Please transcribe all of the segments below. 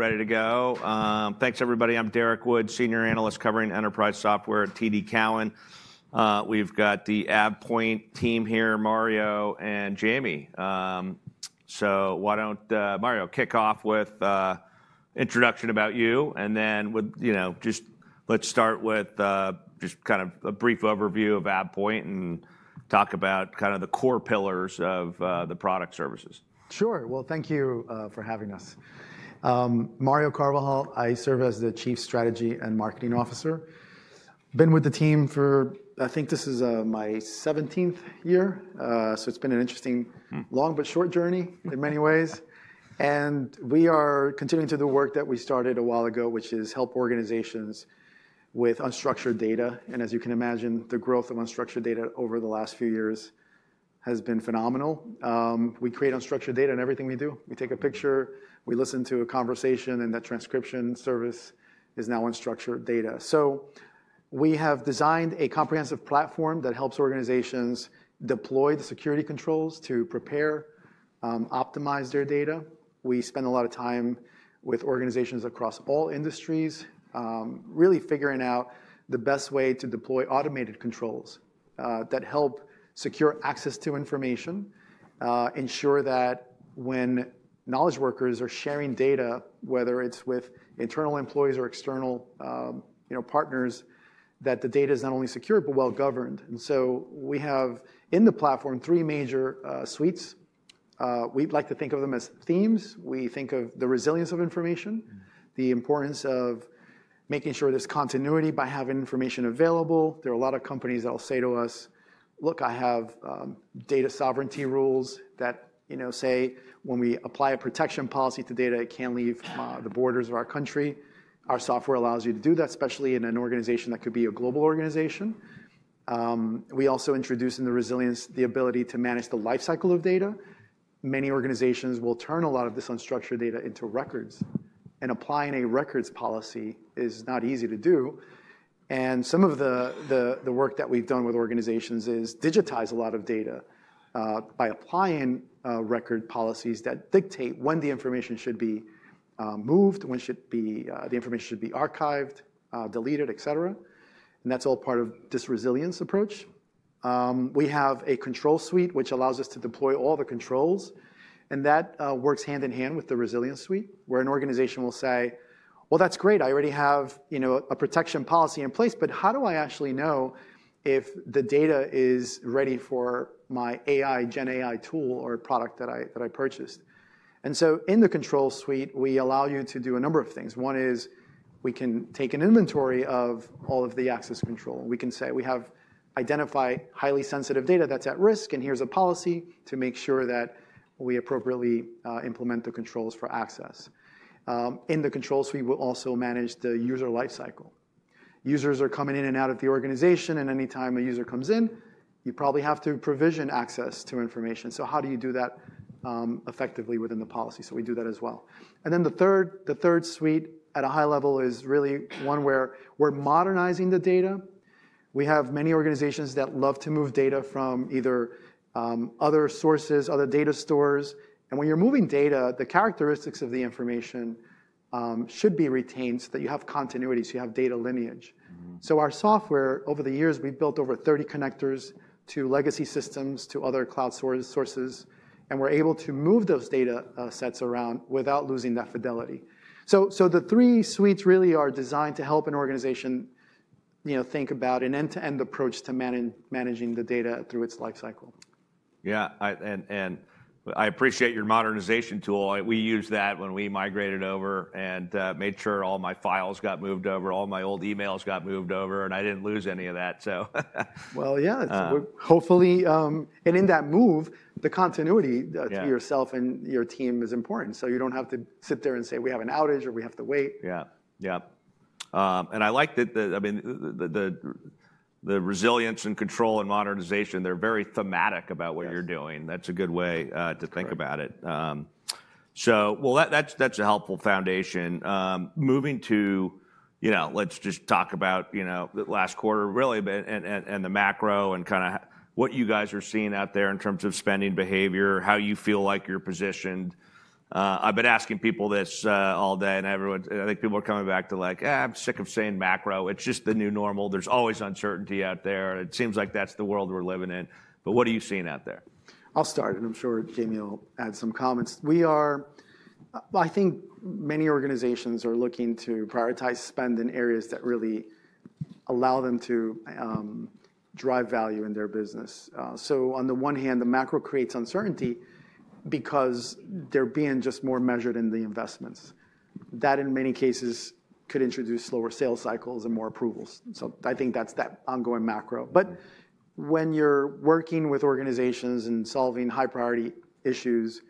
Ready to go. Thanks, everybody. I'm Derek Wood, Senior Analyst covering enterprise software at TD Cowen. We've got the AvePoint team here, Mario and Jamie. Why don't Mario kick off with an introduction about you, and then just let's start with just kind of a brief overview of AvePoint and talk about kind of the core pillars of the product services. Sure. Thank you for having us. Mario Carvajal, I serve as the Chief Strategy and Marketing Officer. Been with the team for, I think this is my 17th year. It has been an interesting, long but short journey in many ways. We are continuing to do work that we started a while ago, which is help organizations with unstructured data. As you can imagine, the growth of unstructured data over the last few years has been phenomenal. We create unstructured data in everything we do. We take a picture, we listen to a conversation, and that transcription service is now unstructured data. We have designed a comprehensive platform that helps organizations deploy the security controls to prepare, optimize their data. We spend a lot of time with organizations across all industries, really figuring out the best way to deploy automated controls that help secure access to information, ensure that when knowledge workers are sharing data, whether it's with internal employees or external partners, that the data is not only secure but well-governed. We have in the platform three major suites. We like to think of them as themes. We think of the resilience of information, the importance of making sure there's continuity by having information available. There are a lot of companies that will say to us, "Look, I have data sovereignty rules that say when we apply a protection policy to data, it can't leave the borders of our country." Our software allows you to do that, especially in an organization that could be a global organization. We also introduce in the resilience the ability to manage the lifecycle of data. Many organizations will turn a lot of this unstructured data into records. Applying a records policy is not easy to do. Some of the work that we've done with organizations is digitize a lot of data by applying record policies that dictate when the information should be moved, when the information should be archived, deleted, et cetera. That is all part of this resilience approach. We have a control suite, which allows us to deploy all the controls. That works hand in hand with the resilience suite, where an organization will say, "That's great. I already have a protection policy in place, but how do I actually know if the data is ready for my AI, GenAI tool or product that I purchased? In the control suite, we allow you to do a number of things. One is we can take an inventory of all of the access control. We can say we have identified highly sensitive data that's at risk, and here's a policy to make sure that we appropriately implement the controls for access. In the control suite, we will also manage the user lifecycle. Users are coming in and out of the organization, and any time a user comes in, you probably have to provision access to information. How do you do that effectively within the policy? We do that as well. The third suite at a high level is really one where we're modernizing the data. We have many organizations that love to move data from either other sources, other data stores. When you're moving data, the characteristics of the information should be retained so that you have continuity, so you have data lineage. Our software, over the years, we've built over 30 connectors to legacy systems, to other cloud sources, and we're able to move those data sets around without losing that fidelity. The three suites really are designed to help an organization think about an end-to-end approach to managing the data through its lifecycle. Yeah. I appreciate your modernization tool. We used that when we migrated over and made sure all my files got moved over, all my old emails got moved over, and I did not lose any of that. Yeah. In that move, the continuity to yourself and your team is important. You don't have to sit there and say, "We have an outage," or, "We have to wait. Yeah. Yeah. I like that the resilience and control and modernization, they're very thematic about what you're doing. That's a good way to think about it. That's a helpful foundation. Moving to, let's just talk about the last quarter, really, and the macro and kind of what you guys are seeing out there in terms of spending behavior, how you feel like you're positioned. I've been asking people this all day, and I think people are coming back to like, I'm sick of saying macro. It's just the new normal. There's always uncertainty out there. It seems like that's the world we're living in. What are you seeing out there? I'll start, and I'm sure Jamie will add some comments. I think many organizations are looking to prioritize spend in areas that really allow them to drive value in their business. On the one hand, the macro creates uncertainty because they're being just more measured in the investments. That in many cases could introduce slower sales cycles and more approvals. I think that's that ongoing macro. When you're working with organizations and solving high-priority issues,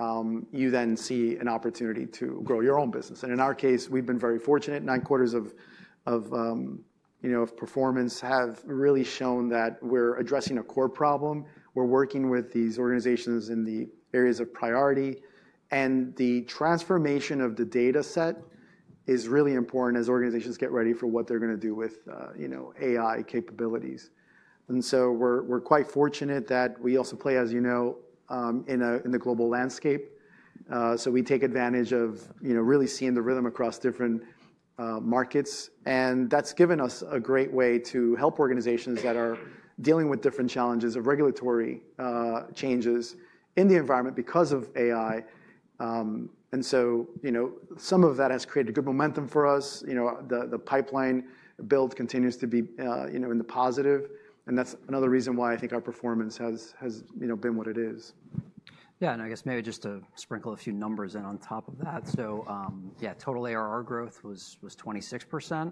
you then see an opportunity to grow your own business. In our case, we've been very fortunate. Nine quarters of performance have really shown that we're addressing a core problem. We're working with these organizations in the areas of priority. The transformation of the data set is really important as organizations get ready for what they're going to do with AI capabilities. We are quite fortunate that we also play, as you know, in the global landscape. We take advantage of really seeing the rhythm across different markets. That has given us a great way to help organizations that are dealing with different challenges of regulatory changes in the environment because of AI. Some of that has created good momentum for us. The pipeline build continues to be in the positive. That is another reason why I think our performance has been what it is. Yeah. I guess maybe just to sprinkle a few numbers in on top of that. Yeah, total ARR growth was 26%,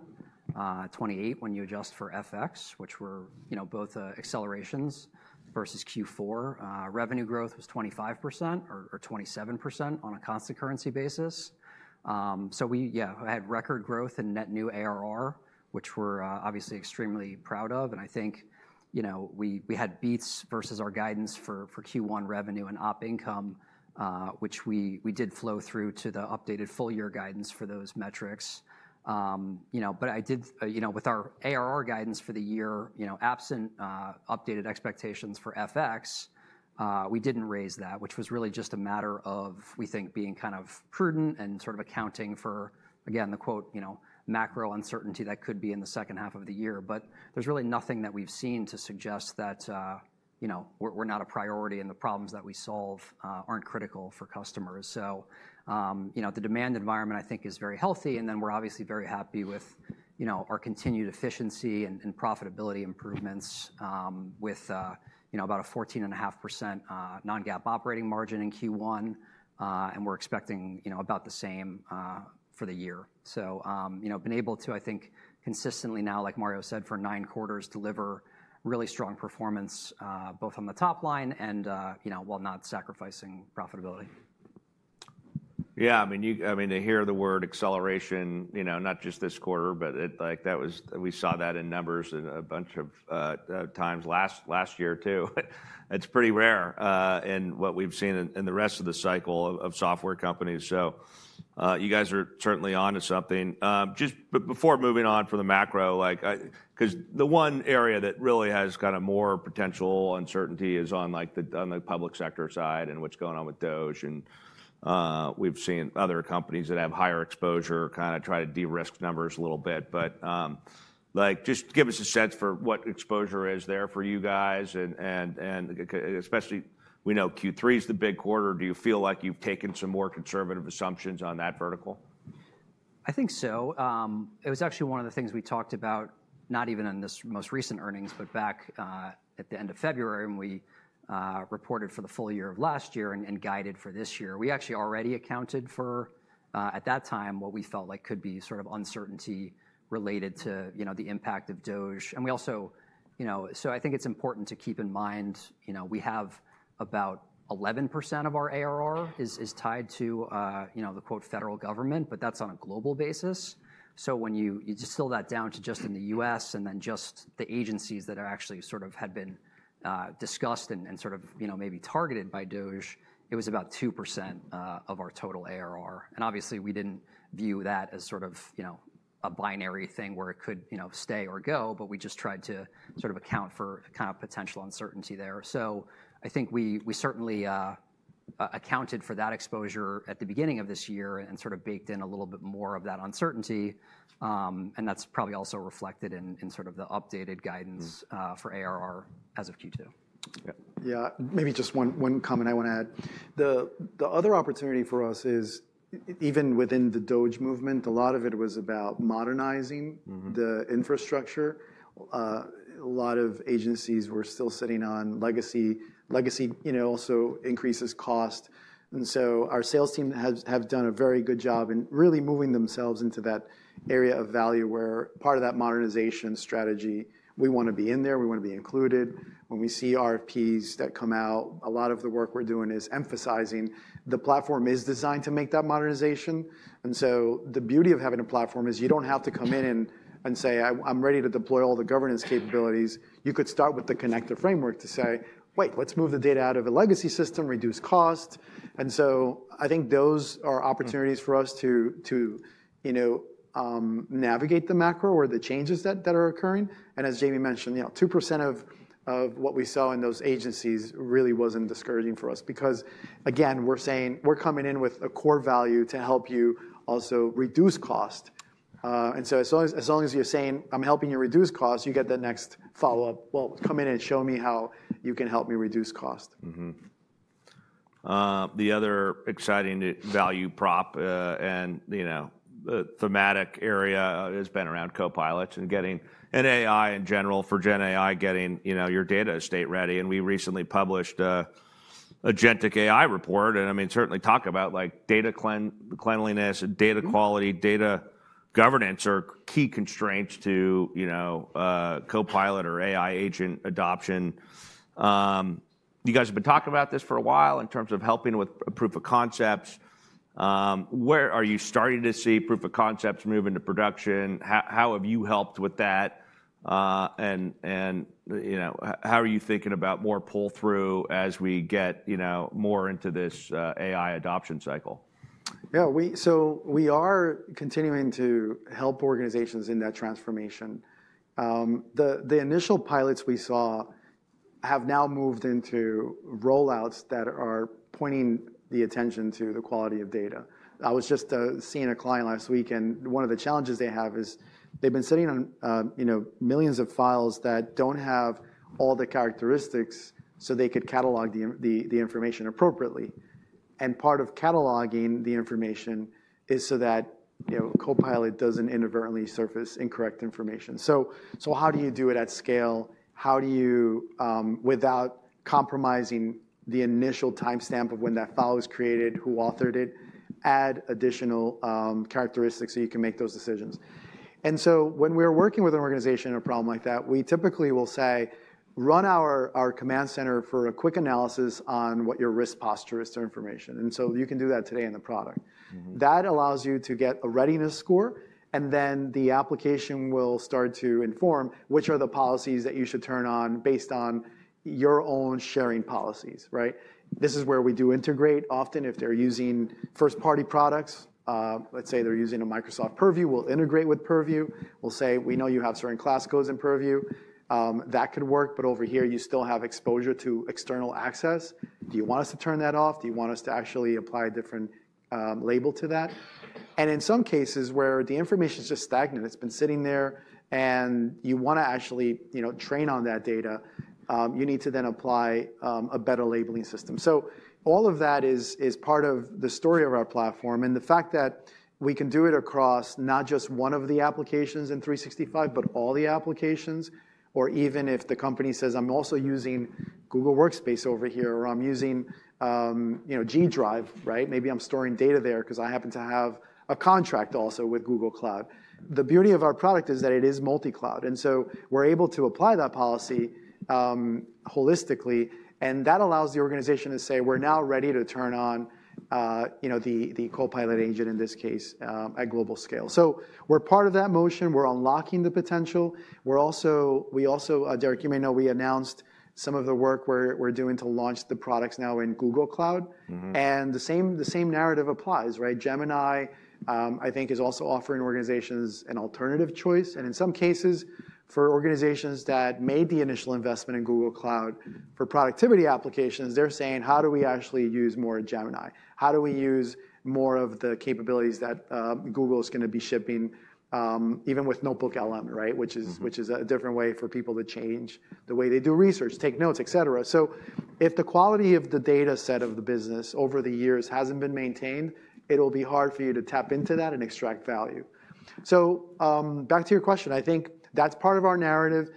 28% when you adjust for FX, which were both accelerations versus Q4. Revenue growth was 25% or 27% on a constant currency basis. We had record growth in net new ARR, which we're obviously extremely proud of. I think we had beats versus our guidance for Q1 revenue and op income, which we did flow through to the updated full-year guidance for those metrics. With our ARR guidance for the year absent updated expectations for FX, we did not raise that, which was really just a matter of, we think, being kind of prudent and sort of accounting for, again, the "macro uncertainty" that could be in the second half of the year. There is really nothing that we have seen to suggest that we are not a priority and the problems that we solve are not critical for customers. The demand environment, I think, is very healthy. We are obviously very happy with our continued efficiency and profitability improvements with about a 14.5% non-GAAP operating margin in Q1. We are expecting about the same for the year. We have been able to, I think, consistently now, like Mario said, for nine quarters, deliver really strong performance both on the top line and while not sacrificing profitability. Yeah. I mean, to hear the word acceleration, not just this quarter, but we saw that in numbers a bunch of times last year too. It's pretty rare in what we've seen in the rest of the cycle of software companies. You guys are certainly on to something. Just before moving on from the macro, because the one area that really has kind of more potential uncertainty is on the public sector side and what's going on with DoD. We've seen other companies that have higher exposure kind of try to de-risk numbers a little bit. Just give us a sense for what exposure is there for you guys. Especially, we know Q3 is the big quarter. Do you feel like you've taken some more conservative assumptions on that vertical? I think so. It was actually one of the things we talked about, not even in this most recent earnings, but back at the end of February when we reported for the full year of last year and guided for this year. We actually already accounted for, at that time, what we felt like could be sort of uncertainty related to the impact of Doge. I think it's important to keep in mind we have about 11% of our ARR is tied to the "federal government," but that's on a global basis. When you distill that down to just in the U.S. and then just the agencies that actually sort of had been discussed and sort of maybe targeted by Doge, it was about 2% of our total ARR. Obviously, we didn't view that as sort of a binary thing where it could stay or go, but we just tried to sort of account for kind of potential uncertainty there. I think we certainly accounted for that exposure at the beginning of this year and sort of baked in a little bit more of that uncertainty. That's probably also reflected in sort of the updated guidance for ARR as of Q2. Yeah. Maybe just one comment I want to add. The other opportunity for us is even within the DoD movement, a lot of it was about modernizing the infrastructure. A lot of agencies were still sitting on legacy. Legacy also increases cost. Our sales team have done a very good job in really moving themselves into that area of value where part of that modernization strategy, we want to be in there. We want to be included. When we see RFPs that come out, a lot of the work we're doing is emphasizing the platform is designed to make that modernization. The beauty of having a platform is you do not have to come in and say, "I am ready to deploy all the governance capabilities." You could start with the connector framework to say, "Wait, let us move the data out of a legacy system, reduce cost." I think those are opportunities for us to navigate the macro or the changes that are occurring. As Jamie mentioned, 2% of what we saw in those agencies really was not discouraging for us because, again, we are saying we are coming in with a core value to help you also reduce cost. As long as you are saying, "I am helping you reduce cost," you get the next follow-up, "Come in and show me how you can help me reduce cost. The other exciting value prop and thematic area has been around Copilot and getting an AI in general for GenAI getting your data estate ready. We recently published a GenTech AI report. I mean, certainly talk about data cleanliness and data quality, data governance are key constraints to Copilot or AI agent adoption. You guys have been talking about this for a while in terms of helping with proof of concepts. Where are you starting to see proof of concepts move into production? How have you helped with that? How are you thinking about more pull-through as we get more into this AI adoption cycle? Yeah. We are continuing to help organizations in that transformation. The initial pilots we saw have now moved into rollouts that are pointing the attention to the quality of data. I was just seeing a client last week, and one of the challenges they have is they've been sitting on millions of files that do not have all the characteristics so they could catalog the information appropriately. Part of cataloging the information is so that Copilot does not inadvertently surface incorrect information. How do you do it at scale? How do you, without compromising the initial timestamp of when that file was created, who authored it, add additional characteristics so you can make those decisions? When we're working with an organization in a problem like that, we typically will say, "Run our command center for a quick analysis on what your risk posture is to information." You can do that today in the product. That allows you to get a readiness score, and then the application will start to inform which are the policies that you should turn on based on your own sharing policies, right? This is where we do integrate. Often, if they're using first-party products, let's say they're using a Microsoft Purview, we'll integrate with Purview. We'll say, "We know you have certain class codes in Purview. That could work, but over here, you still have exposure to external access. Do you want us to turn that off? Do you want us to actually apply a different label to that?" In some cases where the information is just stagnant, it has been sitting there, and you want to actually train on that data, you need to then apply a better labeling system. All of that is part of the story of our platform and the fact that we can do it across not just one of the applications in 365, but all the applications. Even if the company says, "I'm also using Google Workspace over here," or, "I'm using G Drive," right? Maybe I'm storing data there because I happen to have a contract also with Google Cloud. The beauty of our product is that it is multi-cloud. We are able to apply that policy holistically. That allows the organization to say, "We're now ready to turn on the Copilot agent in this case at global scale." We are part of that motion. We are unlocking the potential. We also, Derek, you may know, announced some of the work we are doing to launch the products now in Google Cloud. The same narrative applies, right? Gemini, I think, is also offering organizations an alternative choice. In some cases, for organizations that made the initial investment in Google Cloud for productivity applications, they are saying, "How do we actually use more Gemini? How do we use more of the capabilities that Google is going to be shipping even with NotebookLM," right? Which is a different way for people to change the way they do research, take notes, et cetera. If the quality of the data set of the business over the years has not been maintained, it will be hard for you to tap into that and extract value. Back to your question, I think that is part of our narrative.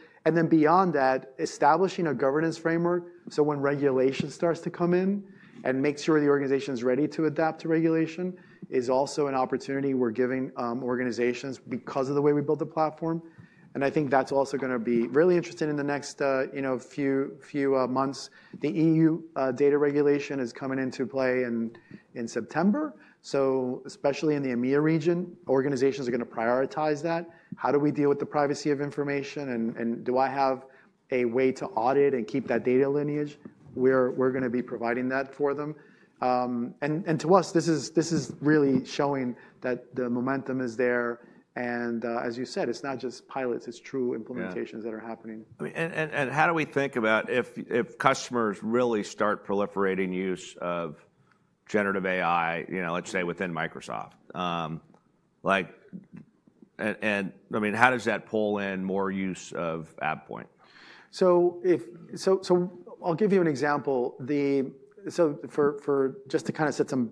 Beyond that, establishing a governance framework, when regulation starts to come in and makes sure the organization is ready to adapt to regulation, is also an opportunity we are giving organizations because of the way we build the platform. I think that is also going to be really interesting in the next few months. The EU data regulation is coming into play in September. Especially in the EMEA region, organizations are going to prioritize that. How do we deal with the privacy of information? Do I have a way to audit and keep that data lineage? We are going to be providing that for them. To us, this is really showing that the momentum is there. As you said, it's not just pilots. It's true implementations that are happening. How do we think about if customers really start proliferating use of generative AI, let's say within Microsoft? I mean, how does that pull in more use of AvePoint? I'll give you an example. Just to kind of set some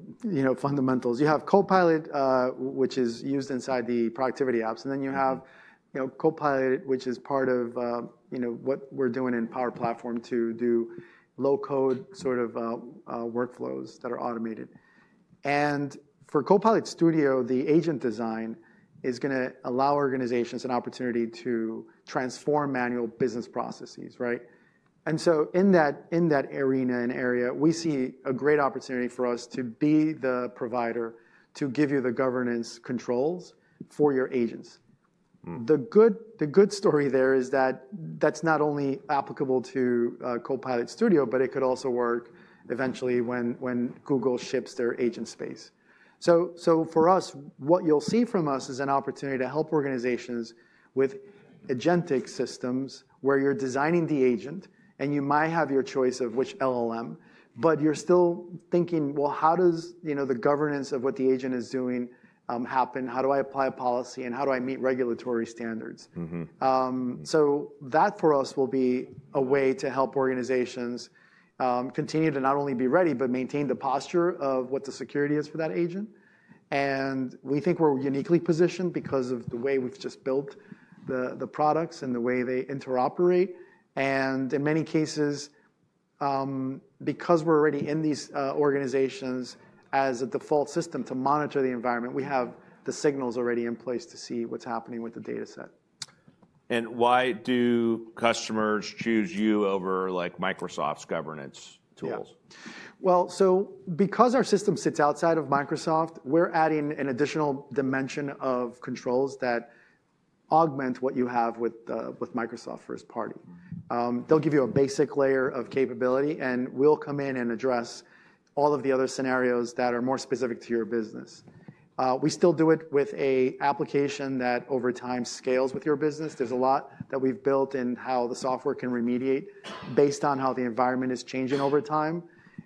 fundamentals, you have Copilot, which is used inside the productivity apps. Then you have Copilot, which is part of what we're doing in Power Platform to do low-code sort of workflows that are automated. For Copilot Studio, the agent design is going to allow organizations an opportunity to transform manual business processes, right? In that arena and area, we see a great opportunity for us to be the provider to give you the governance controls for your agents. The good story there is that that's not only applicable to Copilot Studio, but it could also work eventually when Google ships their agent space. For us, what you'll see from us is an opportunity to help organizations with agentic systems where you're designing the agent and you might have your choice of which LLM, but you're still thinking, "Well, how does the governance of what the agent is doing happen? How do I apply a policy? And how do I meet regulatory standards?" That for us will be a way to help organizations continue to not only be ready, but maintain the posture of what the security is for that agent. We think we're uniquely positioned because of the way we've just built the products and the way they interoperate. In many cases, because we're already in these organizations as a default system to monitor the environment, we have the signals already in place to see what's happening with the data set. Why do customers choose you over Microsoft's governance tools? Because our system sits outside of Microsoft, we're adding an additional dimension of controls that augment what you have with Microsoft First Party. They'll give you a basic layer of capability, and we'll come in and address all of the other scenarios that are more specific to your business. We still do it with an application that over time scales with your business. There's a lot that we've built in how the software can remediate based on how the environment is changing over time.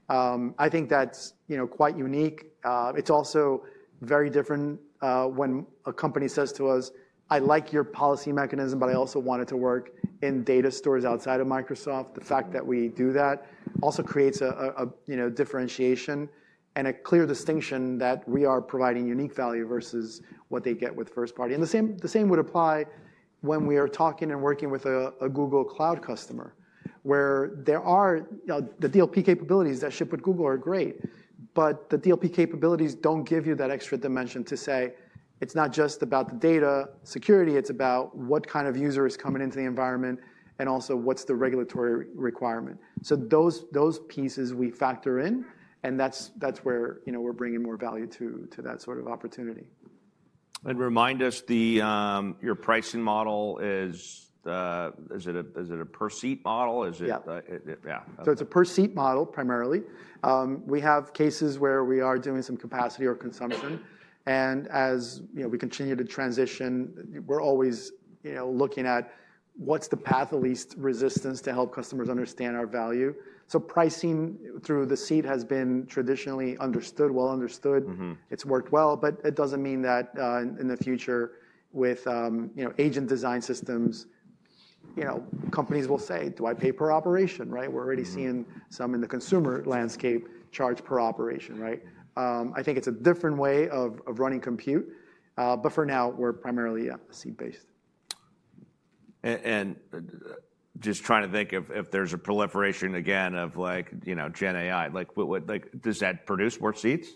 I think that's quite unique. It's also very different when a company says to us, "I like your policy mechanism, but I also want it to work in data stores outside of Microsoft." The fact that we do that also creates a differentiation and a clear distinction that we are providing unique value versus what they get with First Party. The same would apply when we are talking and working with a Google Cloud customer where the DLP capabilities that ship with Google are great, but the DLP capabilities do not give you that extra dimension to say it is not just about the data security. It is about what kind of user is coming into the environment and also what is the regulatory requirement. Those pieces we factor in, and that is where we are bringing more value to that sort of opportunity. Remind us, your pricing model is, is it a per seat model? Is it? Yeah. It is a per seat model primarily. We have cases where we are doing some capacity or consumption. As we continue to transition, we are always looking at what is the path of least resistance to help customers understand our value. Pricing through the seat has been traditionally understood, well understood. It has worked well, but it does not mean that in the future with agent design systems, companies will say, "Do I pay per operation?" Right? We are already seeing some in the consumer landscape charge per operation, right? I think it is a different way of running compute, but for now, we are primarily seat-based. Just trying to think if there's a proliferation again of GenAI, does that produce more seats?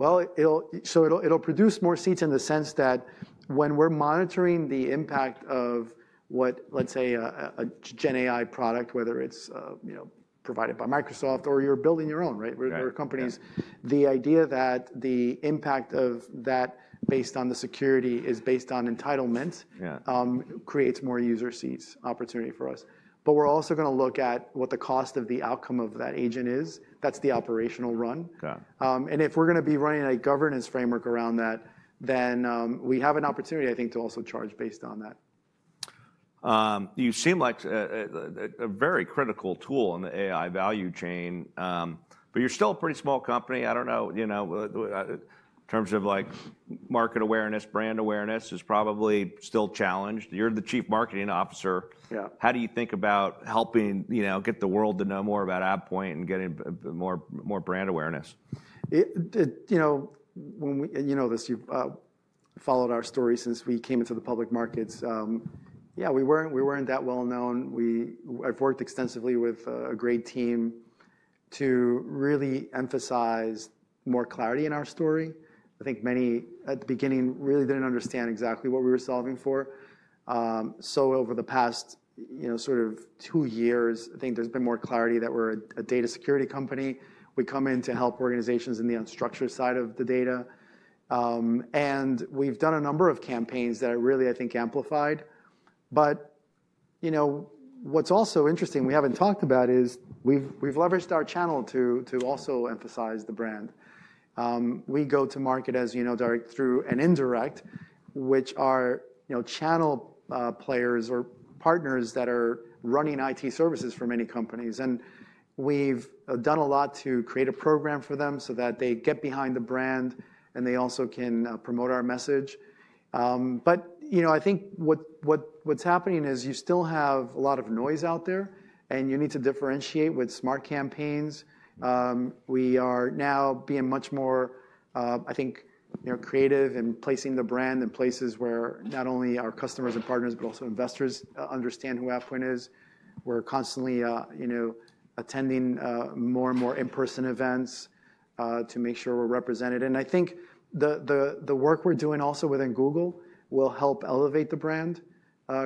It'll produce more seats in the sense that when we're monitoring the impact of what, let's say, a GenAI product, whether it's provided by Microsoft or you're building your own, right? We're companies. The idea that the impact of that based on the security is based on entitlement creates more user seats opportunity for us. We're also going to look at what the cost of the outcome of that agent is. That's the operational run. If we're going to be running a governance framework around that, then we have an opportunity, I think, to also charge based on that. You seem like a very critical tool in the AI value chain, but you're still a pretty small company. I don't know, in terms of market awareness, brand awareness is probably still challenged. You're the Chief Marketing Officer. How do you think about helping get the world to know more about AvePoint and getting more brand awareness? You know this, you've followed our story since we came into the public markets. Yeah, we weren't that well known. I've worked extensively with a great team to really emphasize more clarity in our story. I think many at the beginning really didn't understand exactly what we were solving for. Over the past sort of two years, I think there's been more clarity that we're a data security company. We come in to help organizations in the unstructured side of the data. We've done a number of campaigns that are really, I think, amplified. What's also interesting we haven't talked about is we've leveraged our channel to also emphasize the brand. We go to market, as you know, Derek, through an indirect, which are channel players or partners that are running IT services for many companies. We have done a lot to create a program for them so that they get behind the brand and they also can promote our message. I think what is happening is you still have a lot of noise out there, and you need to differentiate with smart campaigns. We are now being much more, I think, creative in placing the brand in places where not only our customers and partners, but also investors understand who AvePoint is. We are constantly attending more and more in-person events to make sure we are represented. I think the work we are doing also within Google will help elevate the brand,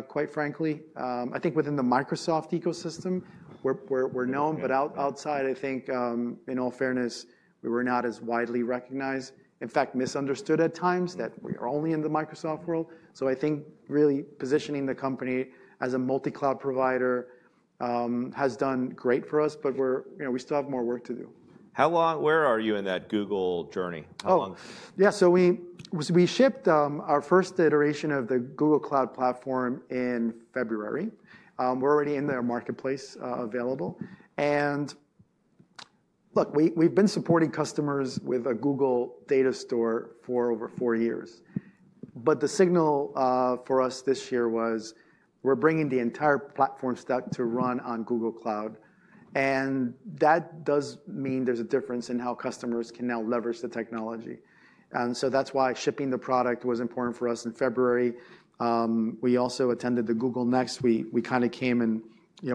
quite frankly. I think within the Microsoft ecosystem, we are known, but outside, I think, in all fairness, we were not as widely recognized, in fact, misunderstood at times that we are only in the Microsoft world. I think really positioning the company as a multi-cloud provider has done great for us, but we still have more work to do. How long, where are you in that Google journey? Oh, yeah. We shipped our first iteration of the Google Cloud Platform in February. We're already in their marketplace available. Look, we've been supporting customers with a Google data store for over four years. The signal for us this year was we're bringing the entire platform stack to run on Google Cloud. That does mean there's a difference in how customers can now leverage the technology. That's why shipping the product was important for us in February. We also attended Google Next. We kind of came and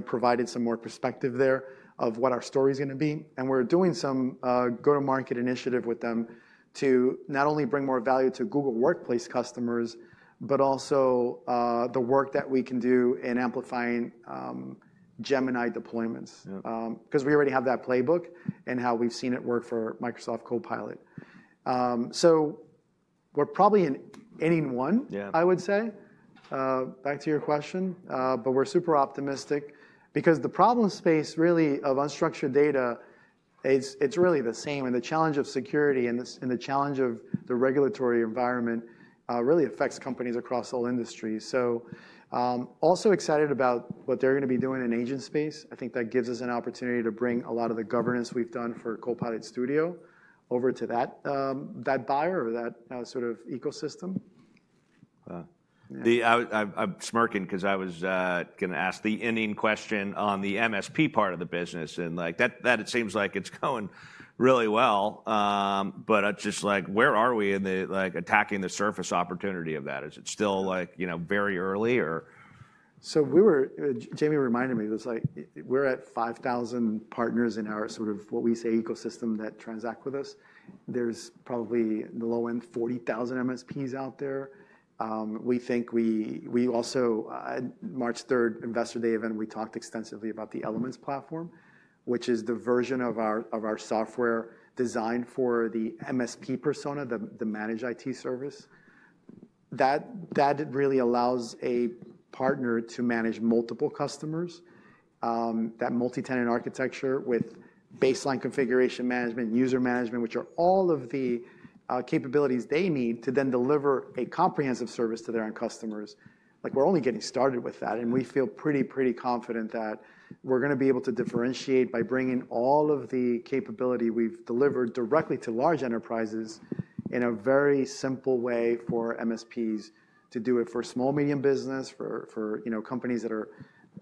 provided some more perspective there of what our story is going to be. We're doing some go-to-market initiative with them to not only bring more value to Google Workspace customers, but also the work that we can do in amplifying Gemini deployments. Because we already have that playbook and how we've seen it work for Microsoft Copilot. We're probably in N1, I would say, back to your question. We're super optimistic because the problem space really of unstructured data, it's really the same. The challenge of security and the challenge of the regulatory environment really affects companies across all industries. I'm also excited about what they're going to be doing in agent space. I think that gives us an opportunity to bring a lot of the governance we've done for Copilot Studio over to that buyer or that sort of ecosystem. I'm smirking because I was going to ask the ending question on the MSP part of the business. It seems like it's going really well. It's just like, where are we in attacking the surface opportunity of that? Is it still very early or? Jamie reminded me, he was like, we're at 5,000 partners in our sort of what we say ecosystem that transact with us. There's probably in the low end, 40,000 MSPs out there. We think we also at March 3rd, Investor Day event, we talked extensively about the Elements Platform, which is the version of our software designed for the MSP persona, the managed IT service. That really allows a partner to manage multiple customers, that multi-tenant architecture with baseline configuration management, user management, which are all of the capabilities they need to then deliver a comprehensive service to their own customers. We're only getting started with that. We feel pretty, pretty confident that we're going to be able to differentiate by bringing all of the capability we've delivered directly to large enterprises in a very simple way for MSPs to do it for small, medium business, for companies that are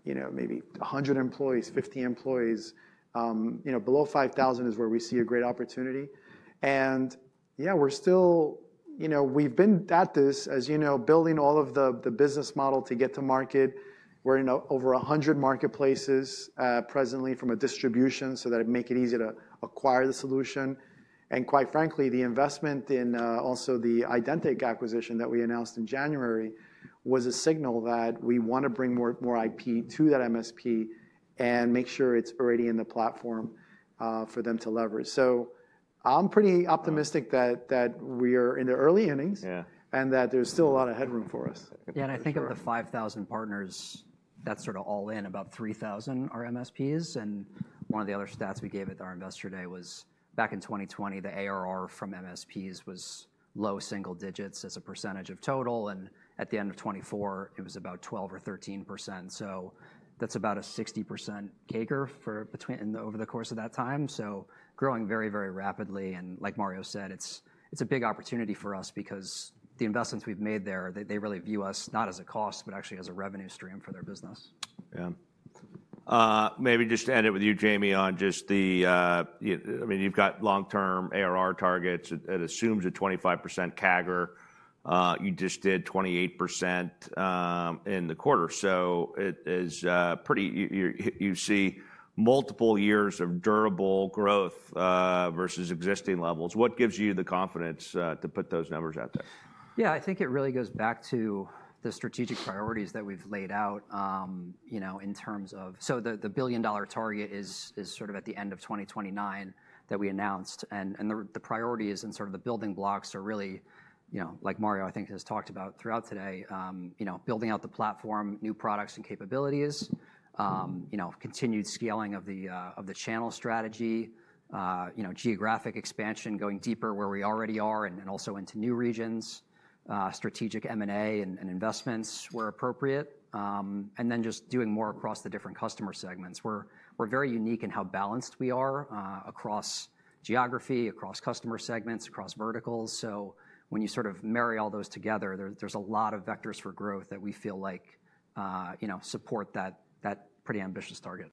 maybe 100 employees, 50 employees. Below 5,000 is where we see a great opportunity. Yeah, we've been at this, as you know, building all of the business model to get to market. We're in over 100 marketplaces presently from a distribution so that it makes it easy to acquire the solution. Quite frankly, the investment in also the Identic acquisition that we announced in January was a signal that we want to bring more IP to that MSP and make sure it's already in the platform for them to leverage. I'm pretty optimistic that we are in the early innings and that there's still a lot of headroom for us. Yeah, and I think of the 5,000 partners, that's sort of all in, about 3,000 are MSPs. One of the other stats we gave at our investor day was back in 2020, the ARR from MSPs was low single digits as a percentage of total. At the end of 2024, it was about 12% or 13%. That's about a 60% CAGR over the course of that time. Growing very, very rapidly. Like Mario said, it's a big opportunity for us because the investments we've made there, they really view us not as a cost, but actually as a revenue stream for their business. Yeah. Maybe just to end it with you, Jamie, on just the, I mean, you've got long-term ARR targets. It assumes a 25% CAGR. You just did 28% in the quarter. It is pretty, you see multiple years of durable growth versus existing levels. What gives you the confidence to put those numbers out there? Yeah, I think it really goes back to the strategic priorities that we've laid out in terms of, so the billion-dollar target is sort of at the end of 2029 that we announced. The priorities and sort of the building blocks are really, like Mario, I think has talked about throughout today, building out the platform, new products and capabilities, continued scaling of the channel strategy, geographic expansion, going deeper where we already are and also into new regions, strategic M&A and investments where appropriate, and then just doing more across the different customer segments. We're very unique in how balanced we are across geography, across customer segments, across verticals. When you sort of marry all those together, there's a lot of vectors for growth that we feel like support that pretty ambitious target.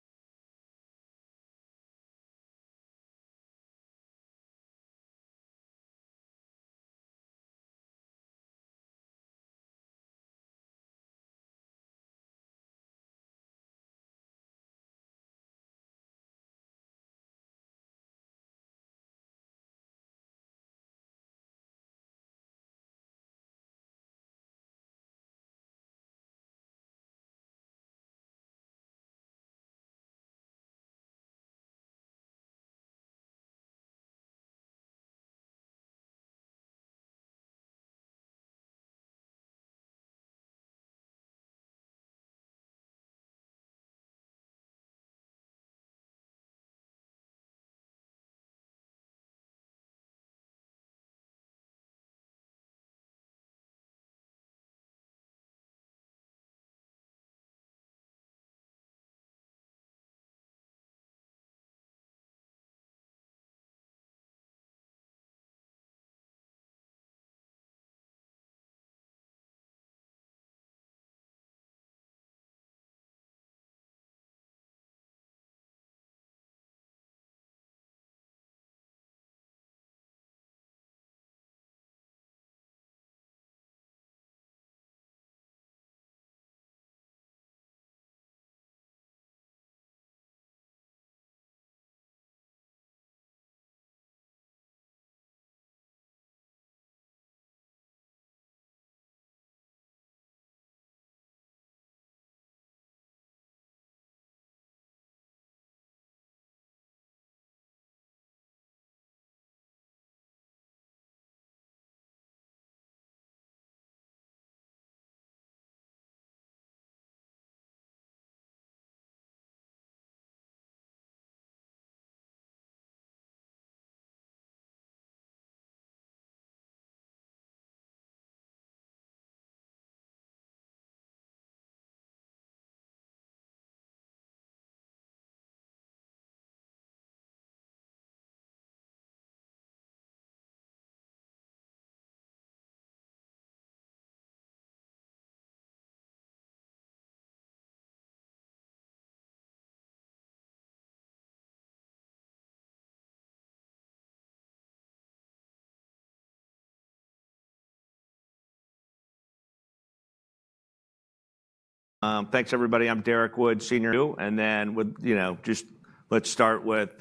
Thanks, everybody. I'm Derek Wood, Senior. And then just let's start with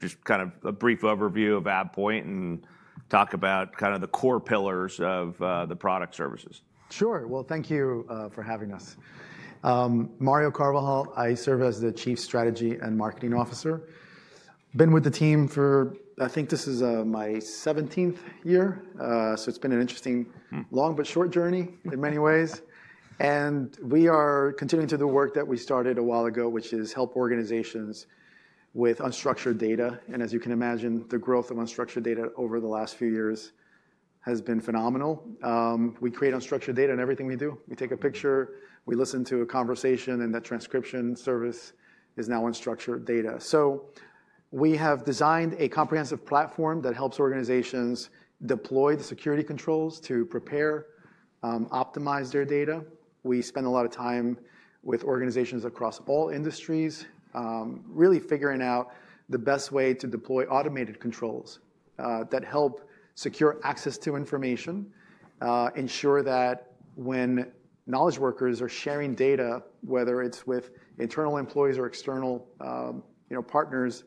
just kind of a brief overview of AvePoint and talk about kind of the core pillars of the product services. Sure. Thank you for having us. Mario Carvajal, I serve as the Chief Strategy and Marketing Officer. Been with the team for, I think this is my 17th year. It has been an interesting, long but short journey in many ways. We are continuing to do work that we started a while ago, which is help organizations with unstructured data. As you can imagine, the growth of unstructured data over the last few years has been phenomenal. We create unstructured data in everything we do. We take a picture, we listen to a conversation, and that transcription service is now unstructured data. We have designed a comprehensive platform that helps organizations deploy the security controls to prepare, optimize their data. We spend a lot of time with organizations across all industries, really figuring out the best way to deploy automated controls that help secure access to information, ensure that when knowledge workers are sharing data, whether it's with internal employees or external partners,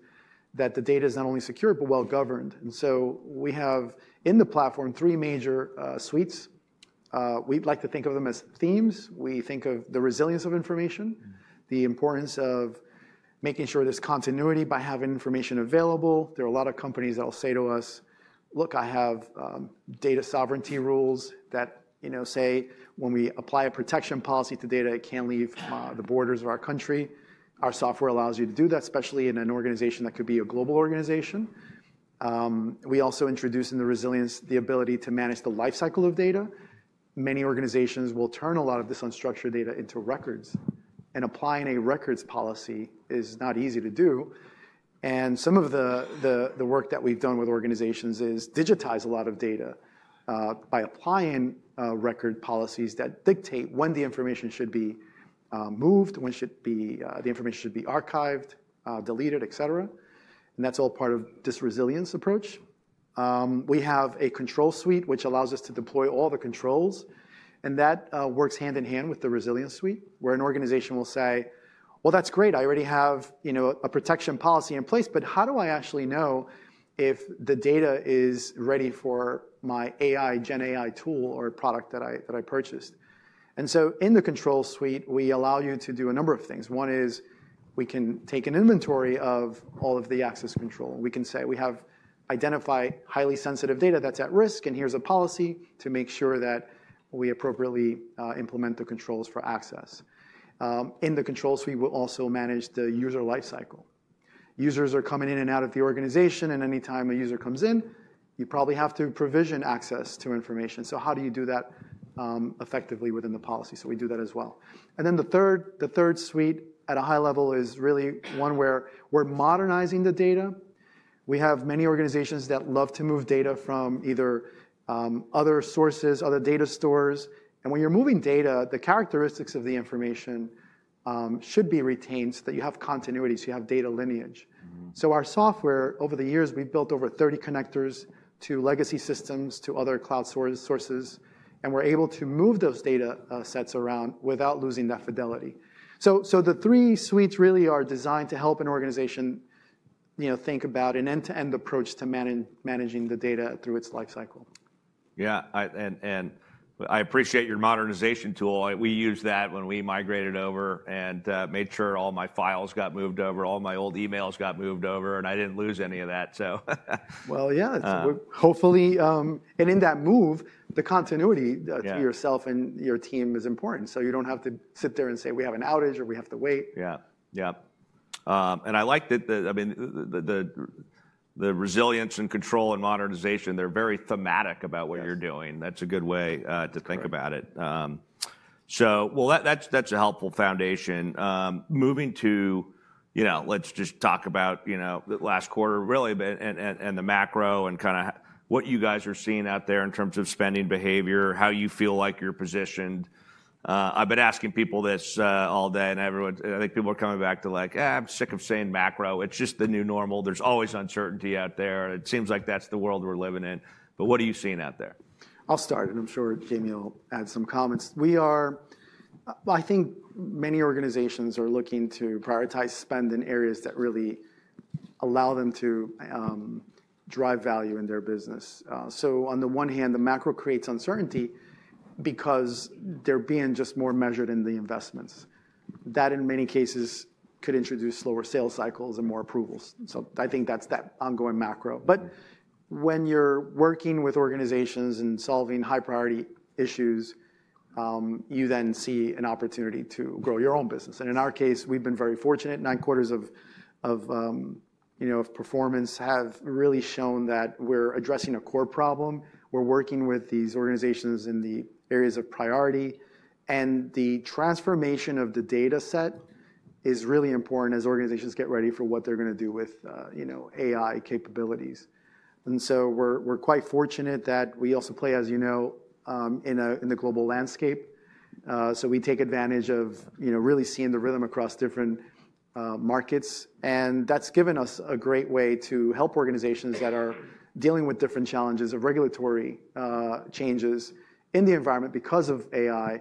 that the data is not only secure, but well governed. We have in the platform three major suites. We like to think of them as themes. We think of the resilience of information, the importance of making sure there's continuity by having information available. There are a lot of companies that will say to us, "Look, I have data sovereignty rules that say when we apply a protection policy to data, it can't leave the borders of our country." Our software allows you to do that, especially in an organization that could be a global organization. We also introduce in the resilience the ability to manage the lifecycle of data. Many organizations will turn a lot of this unstructured data into records. Applying a records policy is not easy to do. Some of the work that we've done with organizations is digitize a lot of data by applying record policies that dictate when the information should be moved, when the information should be archived, deleted, et cetera. That is all part of this resilience approach. We have a control suite, which allows us to deploy all the controls. That works hand in hand with the resilience suite, where an organization will say, "Well, that's great. I already have a protection policy in place, but how do I actually know if the data is ready for my AI, GenAI tool or product that I purchased? In the control suite, we allow you to do a number of things. One is we can take an inventory of all of the access control. We can say we have identified highly sensitive data that's at risk, and here's a policy to make sure that we appropriately implement the controls for access. In the control suite, we also manage the user lifecycle. Users are coming in and out of the organization. Anytime a user comes in, you probably have to provision access to information. How do you do that effectively within the policy? We do that as well. The third suite at a high level is really one where we're modernizing the data. We have many organizations that love to move data from either other sources, other data stores. When you're moving data, the characteristics of the information should be retained so that you have continuity, so you have data lineage. Our software, over the years, we've built over 30 connectors to legacy systems, to other cloud sources. We're able to move those data sets around without losing that fidelity. The three suites really are designed to help an organization think about an end-to-end approach to managing the data through its lifecycle. Yeah. I appreciate your modernization tool. We used that when we migrated over and made sure all my files got moved over, all my old emails got moved over, and I did not lose any of that. Yeah. Hopefully. In that move, the continuity to yourself and your team is important. You do not have to sit there and say, "We have an outage," or, "We have to wait. Yeah. Yeah. I like that, I mean, the resilience and control and modernization, they're very thematic about what you're doing. That's a good way to think about it. That is a helpful foundation. Moving to, let's just talk about the last quarter really and the macro and kind of what you guys are seeing out there in terms of spending behavior, how you feel like you're positioned. I've been asking people this all day and everyone, I think people are coming back to like, I'm sick of saying macro. It's just the new normal. There's always uncertainty out there. It seems like that's the world we're living in. What are you seeing out there? I'll start, and I'm sure Jamie will add some comments. I think many organizations are looking to prioritize spend in areas that really allow them to drive value in their business. On the one hand, the macro creates uncertainty because they're being just more measured in the investments. That in many cases could introduce slower sales cycles and more approvals. I think that's that ongoing macro. When you're working with organizations and solving high-priority issues, you then see an opportunity to grow your own business. In our case, we've been very fortunate. Nine quarters of performance have really shown that we're addressing a core problem. We're working with these organizations in the areas of priority. The transformation of the data set is really important as organizations get ready for what they're going to do with AI capabilities. We are quite fortunate that we also play, as you know, in the global landscape. We take advantage of really seeing the rhythm across different markets. That has given us a great way to help organizations that are dealing with different challenges of regulatory changes in the environment because of AI.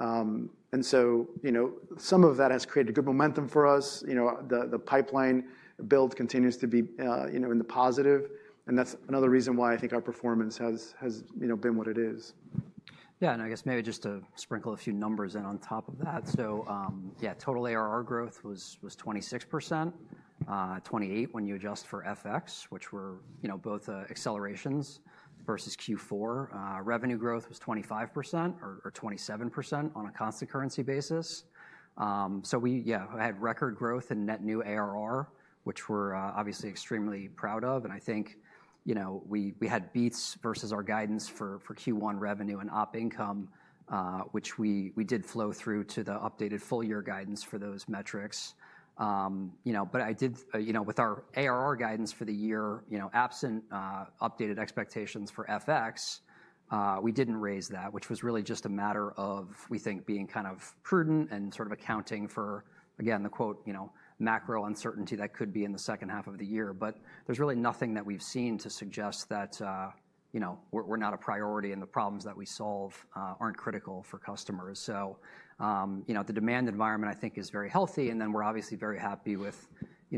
Some of that has created good momentum for us. The pipeline build continues to be in the positive. That is another reason why I think our performance has been what it is. Yeah. I guess maybe just to sprinkle a few numbers in on top of that. Total ARR growth was 26%, 28% when you adjust for FX, which were both accelerations versus Q4. Revenue growth was 25% or 27% on a constant currency basis. We had record growth in net new ARR, which we're obviously extremely proud of. I think we had beats versus our guidance for Q1 revenue and op income, which we did flow through to the updated full year guidance for those metrics. I did, with our ARR guidance for the year absent updated expectations for FX, we didn't raise that, which was really just a matter of, we think, being kind of prudent and sort of accounting for, again, the quote, macro uncertainty that could be in the second half of the year. There is really nothing that we have seen to suggest that we are not a priority and the problems that we solve are not critical for customers. The demand environment, I think, is very healthy. We are obviously very happy with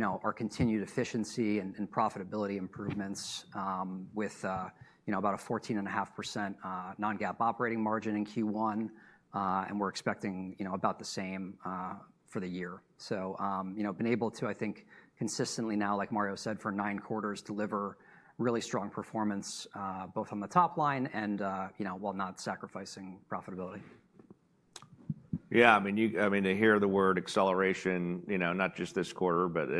our continued efficiency and profitability improvements with about a 14.5% non-GAAP operating margin in Q1. We are expecting about the same for the year. We have been able to, I think, consistently now, like Mario said, for nine quarters, deliver really strong performance both on the top line and while not sacrificing profitability. Yeah. I mean, to hear the word acceleration, not just this quarter, but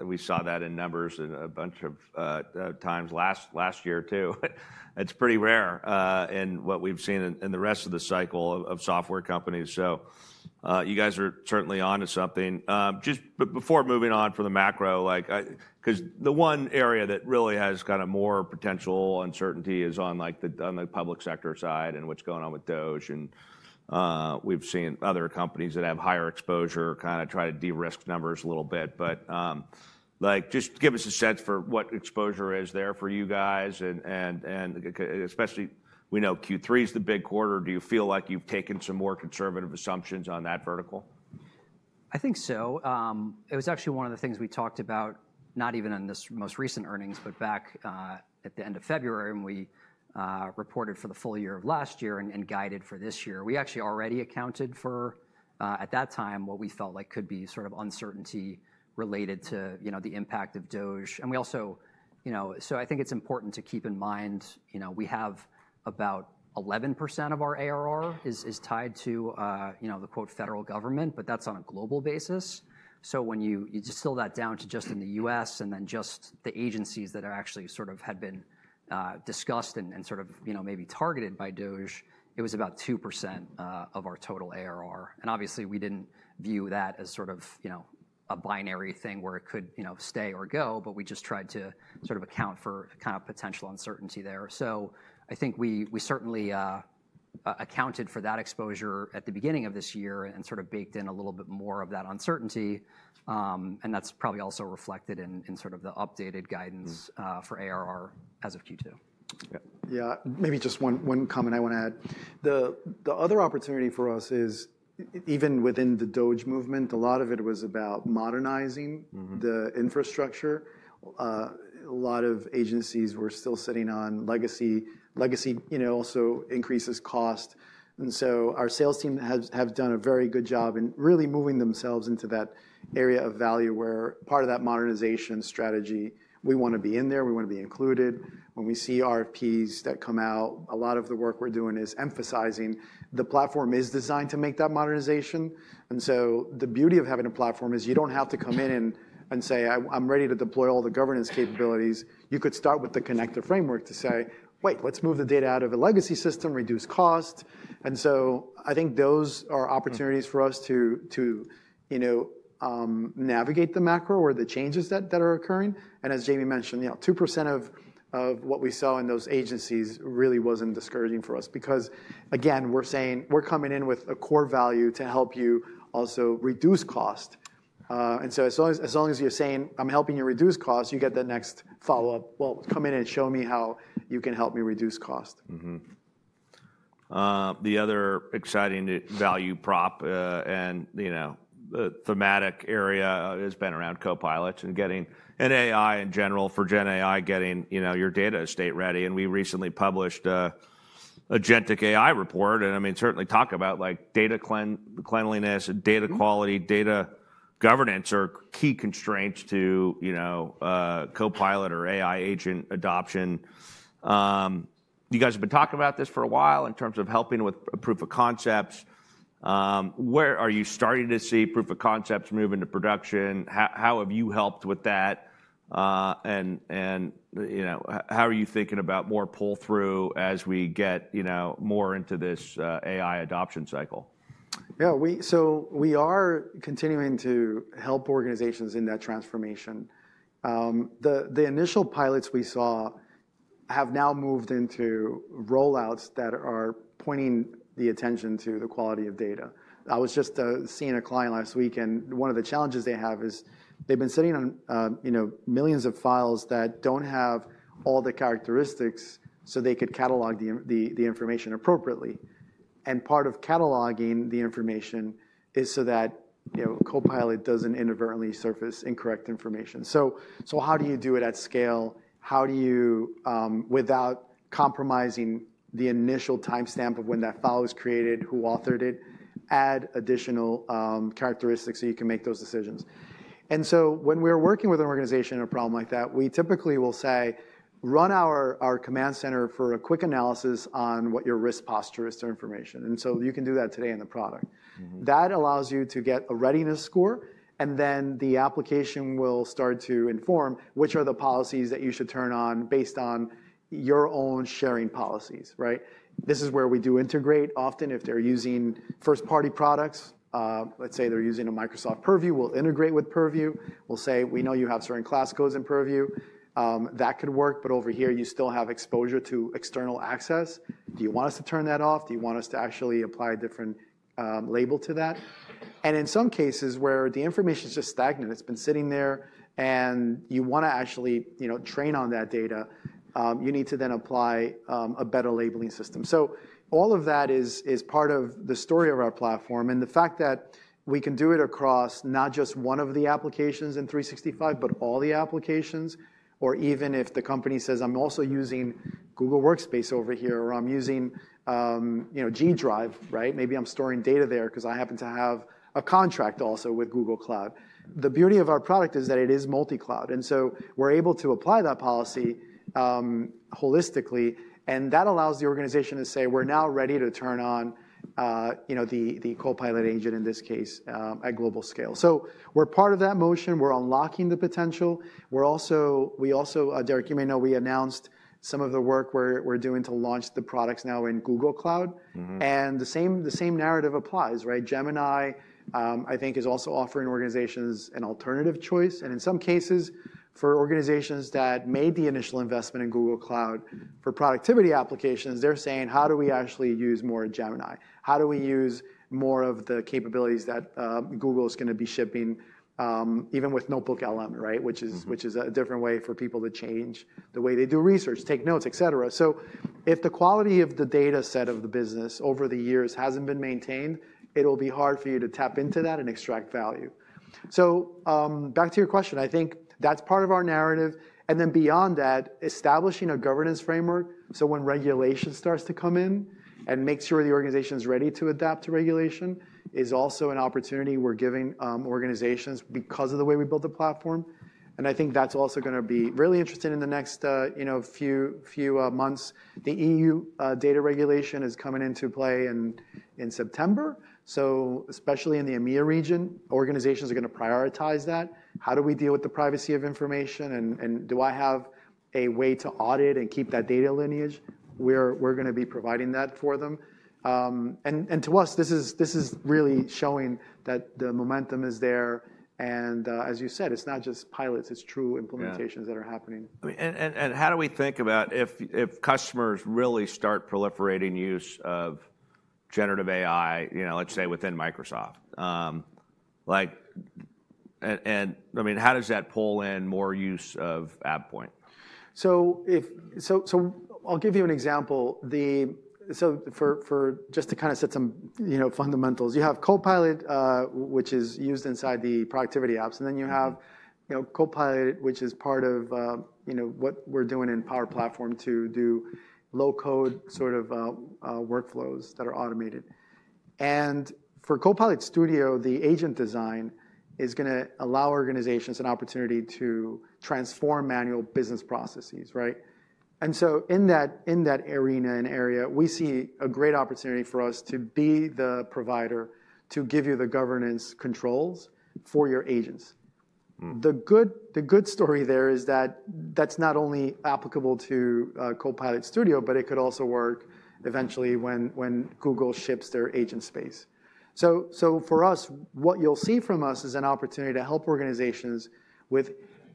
we saw that in numbers a bunch of times last year too. It's pretty rare in what we've seen in the rest of the cycle of software companies. You guys are certainly on to something. Just before moving on from the macro, because the one area that really has kind of more potential uncertainty is on the public sector side and what's going on with DoD. We've seen other companies that have higher exposure kind of try to de-risk numbers a little bit. Just give us a sense for what exposure is there for you guys. Especially we know Q3 is the big quarter. Do you feel like you've taken some more conservative assumptions on that vertical? I think so. It was actually one of the things we talked about, not even in this most recent earnings, but back at the end of February when we reported for the full year of last year and guided for this year. We actually already accounted for, at that time, what we felt like could be sort of uncertainty related to the impact of DOGE. I think it's important to keep in mind we have about 11% of our ARR is tied to the Rederal Government, but that's on a global basis. When you distill that down to just in the U.S. and then just the agencies that actually sort of had been discussed and sort of maybe targeted by DOGE, it was about 2% of our total ARR. Obviously, we did not view that as sort of a binary thing where it could stay or go, but we just tried to sort of account for kind of potential uncertainty there. I think we certainly accounted for that exposure at the beginning of this year and sort of baked in a little bit more of that uncertainty. That is probably also reflected in sort of the updated guidance for ARR as of Q2. Yeah. Maybe just one comment I want to add. The other opportunity for us is even within the DOGE movement, a lot of it was about modernizing the infrastructure. A lot of agencies were still sitting on legacy. Legacy also increases cost. Our sales team have done a very good job in really moving themselves into that area of value where part of that modernization strategy, we want to be in there. We want to be included. When we see RFPs that come out, a lot of the work we're doing is emphasizing the platform is designed to make that modernization. The beauty of having a platform is you do not have to come in and say, "I'm ready to deploy all the governance capabilities." You could start with the connector framework to say, "Wait, let's move the data out of a legacy system, reduce cost." I think those are opportunities for us to navigate the macro or the changes that are occurring. As Jamie mentioned, 2% of what we saw in those agencies really was not discouraging for us because, again, we are saying we are coming in with a core value to help you also reduce cost. As long as you are saying, "I'm helping you reduce cost," you get the next follow-up, "Come in and show me how you can help me reduce cost. The other exciting value prop and thematic area has been around Copilot and getting an AI in general for GenAI getting your data estate ready. We recently published a GenTech AI report. I mean, certainly talk about data cleanliness and data quality, data governance are key constraints to Copilot or AI agent adoption. You guys have been talking about this for a while in terms of helping with proof of concepts. Where are you starting to see proof of concepts move into production? How have you helped with that? How are you thinking about more pull-through as we get more into this AI adoption cycle? Yeah. We are continuing to help organizations in that transformation. The initial pilots we saw have now moved into rollouts that are pointing the attention to the quality of data. I was just seeing a client last week, and one of the challenges they have is they've been sitting on millions of files that do not have all the characteristics so they could catalog the information appropriately. Part of cataloging the information is so that Copilot does not inadvertently surface incorrect information. How do you do it at scale? How do you, without compromising the initial timestamp of when that file was created, who authored it, add additional characteristics so you can make those decisions? When we're working with an organization in a problem like that, we typically will say, "Run our command center for a quick analysis on what your risk posture is to information." You can do that today in the product. That allows you to get a readiness score, and then the application will start to inform which are the policies that you should turn on based on your own sharing policies, right? This is where we do integrate. Often, if they're using first-party products, let's say they're using a Microsoft Purview, we'll integrate with Purview. We'll say, "We know you have certain class codes in Purview. That could work, but over here, you still have exposure to external access. Do you want us to turn that off? Do you want us to actually apply a different label to that? In some cases where the information is just stagnant, it's been sitting there, and you want to actually train on that data, you need to then apply a better labeling system. All of that is part of the story of our platform and the fact that we can do it across not just one of the applications in 365, but all the applications, or even if the company says, "I'm also using Google Workspace over here," or, "I'm using G Drive," right? Maybe I'm storing data there because I happen to have a contract also with Google Cloud. The beauty of our product is that it is multi-cloud. We are able to apply that policy holistically. That allows the organization to say, "We're now ready to turn on the Copilot agent in this case at global scale." We are part of that motion. We are unlocking the potential. We also, Derek, you may know, announced some of the work we are doing to launch the products now in Google Cloud. The same narrative applies, right? Gemini, I think, is also offering organizations an alternative choice. In some cases, for organizations that made the initial investment in Google Cloud for productivity applications, they are saying, "How do we actually use more Gemini? How do we use more of the capabilities that Google is going to be shipping even with NotebookLM," right? That is a different way for people to change the way they do research, take notes, et cetera. If the quality of the data set of the business over the years has not been maintained, it will be hard for you to tap into that and extract value. Back to your question, I think that is part of our narrative. Beyond that, establishing a governance framework when regulation starts to come in and making sure the organization is ready to adapt to regulation is also an opportunity we are giving organizations because of the way we built the platform. I think that is also going to be really interesting in the next few months. The EU data regulation is coming into play in September. Especially in the EMEA region, organizations are going to prioritize that. How do we deal with the privacy of information? Do I have a way to audit and keep that data lineage? We are going to be providing that for them. To us, this is really showing that the momentum is there. As you said, it's not just pilots. It's true implementations that are happening. How do we think about if customers really start proliferating use of generative AI, let's say within Microsoft? I mean, how does that pull in more use of AvePoint? I'll give you an example. Just to kind of set some fundamentals, you have Copilot, which is used inside the productivity apps. Then you have Copilot, which is part of what we're doing in Power Platform to do low-code sort of workflows that are automated. For Copilot Studio, the agent design is going to allow organizations an opportunity to transform manual business processes, right? In that arena and area, we see a great opportunity for us to be the provider to give you the governance controls for your agents. The good story there is that that's not only applicable to Copilot Studio, but it could also work eventually when Google ships their agent space. For us, what you'll see from us is an opportunity to help organizations with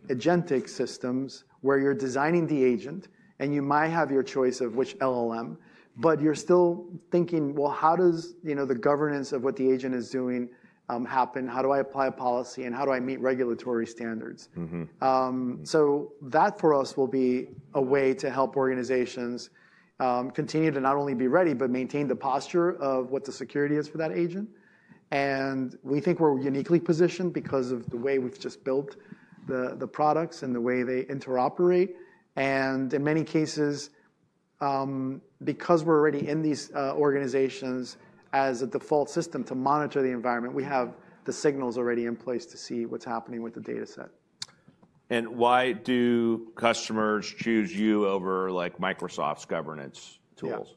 agentic systems where you're designing the agent and you might have your choice of which LLM, but you're still thinking, "Well, how does the governance of what the agent is doing happen? How do I apply a policy and how do I meet regulatory standards?" That for us will be a way to help organizations continue to not only be ready, but maintain the posture of what the security is for that agent. We think we're uniquely positioned because of the way we've just built the products and the way they interoperate. In many cases, because we're already in these organizations as a default system to monitor the environment, we have the signals already in place to see what's happening with the data set. Why do customers choose you over Microsoft's governance tools?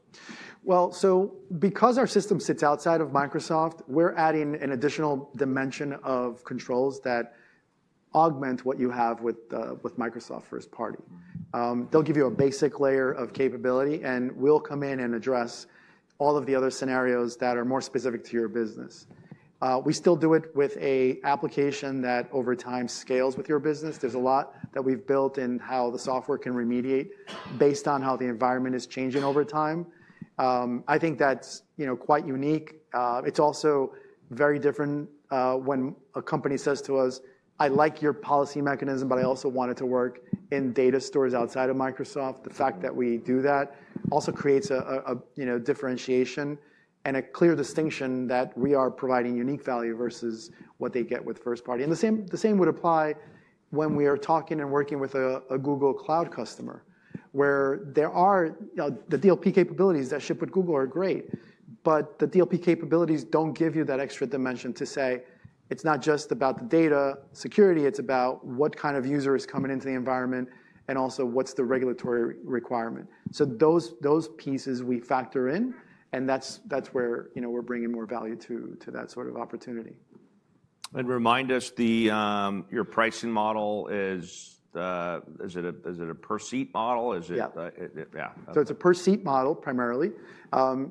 Because our system sits outside of Microsoft, we're adding an additional dimension of controls that augment what you have with Microsoft First Party. They'll give you a basic layer of capability, and we'll come in and address all of the other scenarios that are more specific to your business. We still do it with an application that over time scales with your business. There's a lot that we've built in how the software can remediate based on how the environment is changing over time. I think that's quite unique. It's also very different when a company says to us, "I like your policy mechanism, but I also want it to work in data stores outside of Microsoft." The fact that we do that also creates a differentiation and a clear distinction that we are providing unique value versus what they get with First Party. The same would apply when we are talking and working with a Google Cloud customer where the DLP capabilities that ship with Google are great, but the DLP capabilities do not give you that extra dimension to say it is not just about the data security. It is about what kind of user is coming into the environment and also what is the regulatory requirement. Those pieces we factor in, and that is where we are bringing more value to that sort of opportunity. Remind us, your pricing model is, is it a per seat model? Is it? Yeah. It is a per seat model primarily.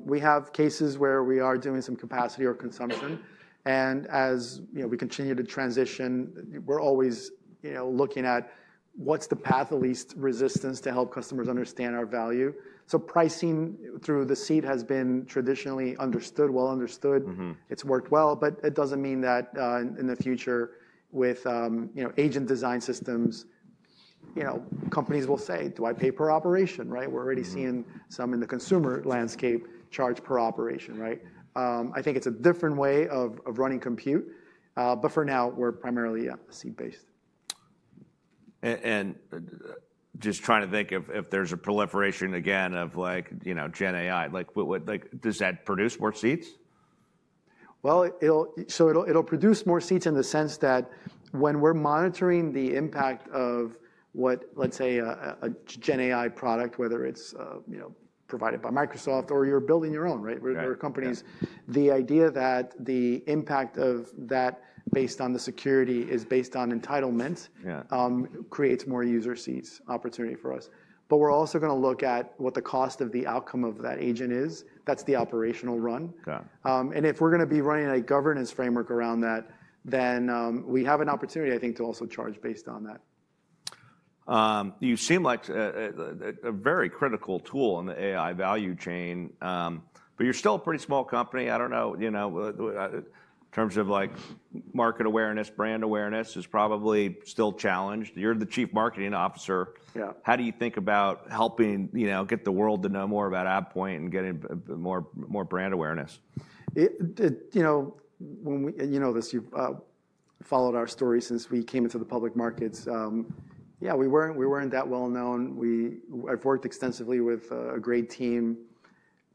We have cases where we are doing some capacity or consumption. As we continue to transition, we are always looking at what is the path of least resistance to help customers understand our value. Pricing through the seat has been traditionally understood, well understood. It has worked well, but it does not mean that in the future with agent design systems, companies will say, "Do I pay per operation?" Right? We are already seeing some in the consumer landscape charge per operation, right? I think it is a different way of running compute, but for now, we are primarily seat-based. Just trying to think if there's a proliferation again of GenAI, does that produce more seats? It'll produce more seats in the sense that when we're monitoring the impact of what, let's say, a GenAI product, whether it's provided by Microsoft or you're building your own, right? We're companies. The idea that the impact of that based on the security is based on entitlement creates more user seats opportunity for us. We're also going to look at what the cost of the outcome of that agent is. That's the operational run. If we're going to be running a governance framework around that, then we have an opportunity, I think, to also charge based on that. You seem like a very critical tool in the AI value chain, but you're still a pretty small company. I don't know, in terms of market awareness, brand awareness is probably still challenged. You're the Chief Marketing Officer. How do you think about helping get the world to know more about AvePoint and getting more brand awareness? You know this, you've followed our story since we came into the public markets. Yeah, we weren't that well known. I've worked extensively with a great team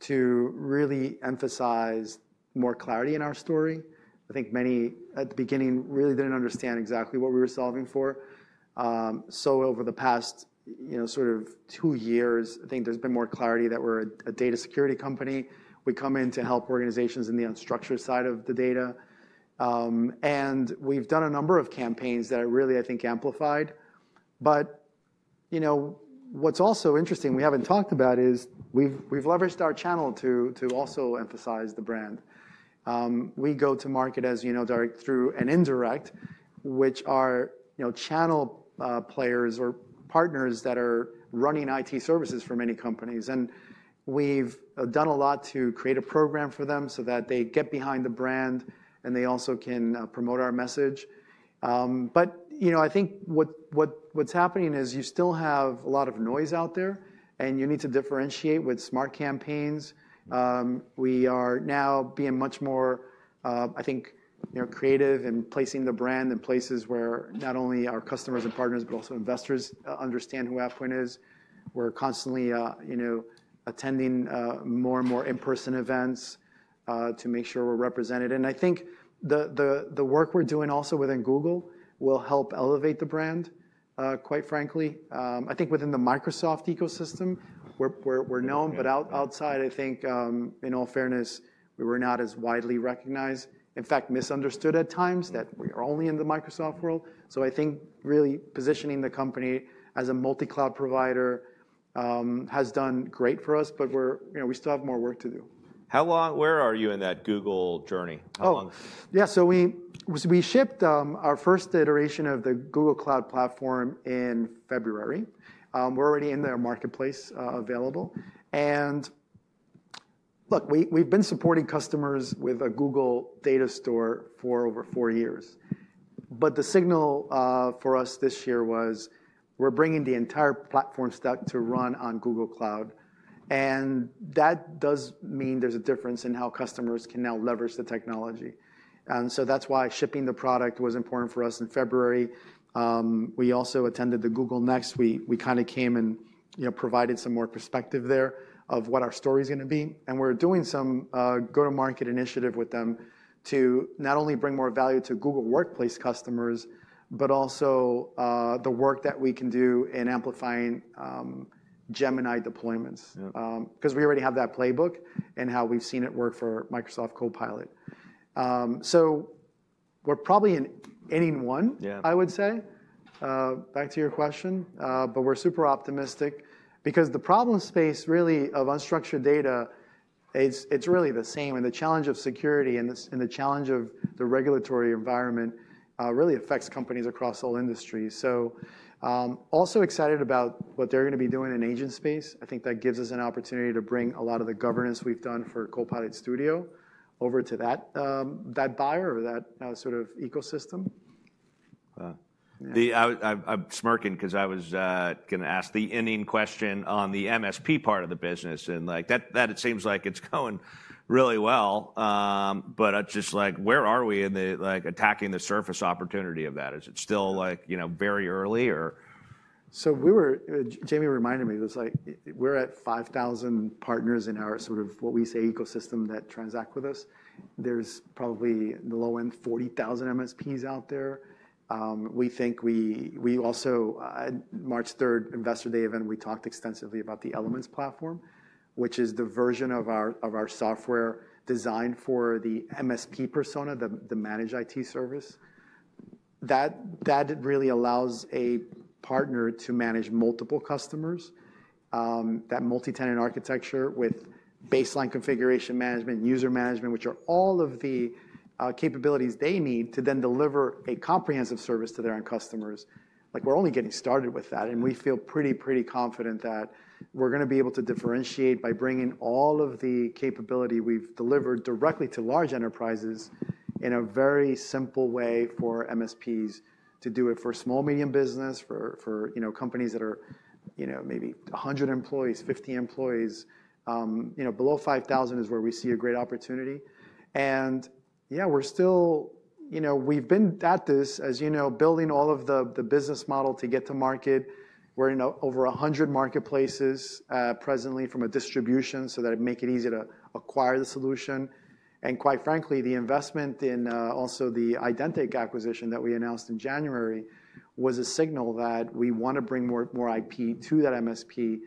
to really emphasize more clarity in our story. I think many at the beginning really didn't understand exactly what we were solving for. Over the past sort of two years, I think there's been more clarity that we're a data security company. We come in to help organizations in the unstructured side of the data. We've done a number of campaigns that are really, I think, amplified. What's also interesting we haven't talked about is we've leveraged our channel to also emphasize the brand. We go to market, as you know, Derek, through an indirect, which are channel players or partners that are running IT services for many companies. We have done a lot to create a program for them so that they get behind the brand and they also can promote our message. I think what is happening is you still have a lot of noise out there, and you need to differentiate with smart campaigns. We are now being much more, I think, creative in placing the brand in places where not only our customers and partners, but also investors understand who AvePoint is. We are constantly attending more and more in-person events to make sure we are represented. I think the work we are doing also within Google will help elevate the brand, quite frankly. I think within the Microsoft ecosystem, we are known, but outside, I think, in all fairness, we were not as widely recognized, in fact, misunderstood at times that we are only in the Microsoft world. I think really positioning the company as a multi-cloud provider has done great for us, but we still have more work to do. How long, where are you in that Google journey? Oh, yeah. We shipped our first iteration of the Google Cloud Platform in February. We're already in their marketplace available. Look, we've been supporting customers with a Google data store for over four years. The signal for us this year was we're bringing the entire platform stack to run on Google Cloud. That does mean there's a difference in how customers can now leverage the technology. That's why shipping the product was important for us in February. We also attended Google Next. We kind of came and provided some more perspective there of what our story is going to be. We're doing some go-to-market initiative with them to not only bring more value to Google Workspace customers, but also the work that we can do in amplifying Gemini deployments because we already have that playbook and how we've seen it work for Microsoft Copilot. We're probably in inning one, I would say, back to your question. We're super optimistic because the problem space really of unstructured data, it's really the same. The challenge of security and the challenge of the regulatory environment really affects companies across all industries. I'm also excited about what they're going to be doing in agent space. I think that gives us an opportunity to bring a lot of the governance we've done for Copilot Studio over to that buyer or that sort of ecosystem. I'm smirking because I was going to ask the ending question on the MSP part of the business. That it seems like it's going really well. It's just like, where are we in attacking the surface opportunity of that? Is it still very early or? Jamie reminded me, it was like, we're at 5,000 partners in our sort of what we say ecosystem that transact with us. There's probably in the low end, 40,000 MSPs out there. We think we also at March 3rd, Investor Day event, we talked extensively about the Elements platform, which is the version of our software designed for the MSP persona, the managed IT service. That really allows a partner to manage multiple customers, that multi-tenant architecture with baseline configuration management, user management, which are all of the capabilities they need to then deliver a comprehensive service to their own customers. We're only getting started with that. We feel pretty, pretty confident that we're going to be able to differentiate by bringing all of the capability we've delivered directly to large enterprises in a very simple way for MSPs to do it for small, medium business, for companies that are maybe 100 employees, 50 employees. Below 5,000 is where we see a great opportunity. Yeah, we've been at this, as you know, building all of the business model to get to market. We're in over 100 marketplaces presently from a distribution so that it makes it easier to acquire the solution. Quite frankly, the investment in also the Identic acquisition that we announced in January was a signal that we want to bring more IP to that MSP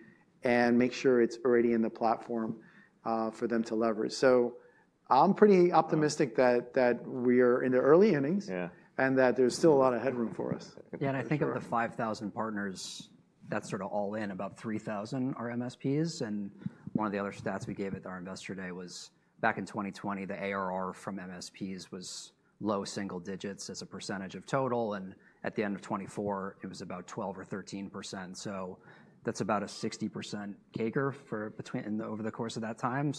and make sure it's already in the platform for them to leverage. I'm pretty optimistic that we are in the early innings and that there's still a lot of headroom for us. Yeah, and I think of the 5,000 partners, that's sort of all in, about 3,000 are MSPs. One of the other stats we gave at our investor day was back in 2020, the ARR from MSPs was low single digits as a percentage of total. At the end of 2024, it was about 12% or 13%. That's about a 60% CAGR over the course of that time.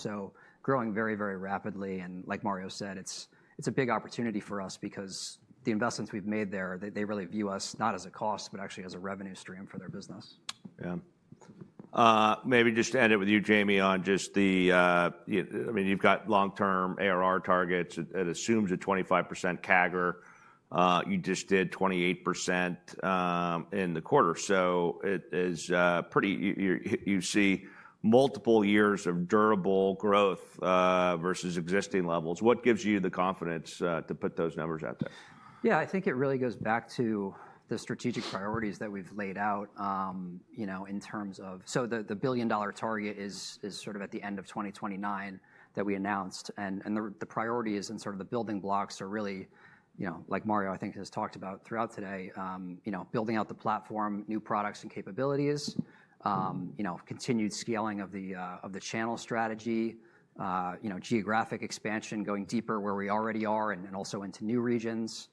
Growing very, very rapidly. Like Mario said, it's a big opportunity for us because the investments we've made there, they really view us not as a cost, but actually as a revenue stream for their business. Yeah. Maybe just to end it with you, Jamie, on just the, I mean, you've got long-term ARR targets. It assumes a 25% CAGR. You just did 28% in the quarter. It is pretty, you see multiple years of durable growth versus existing levels. What gives you the confidence to put those numbers out there? Yeah, I think it really goes back to the strategic priorities that we've laid out in terms of, so the billion-dollar target is sort of at the end of 2029 that we announced. The priorities and sort of the building blocks are really, like Mario, I think has talked about throughout today, building out the platform, new products and capabilities, continued scaling of the channel strategy, geographic expansion going deeper where we already are and also into new regions,